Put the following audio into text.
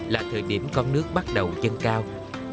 là thời điểm con nước bắt đầu dâng cao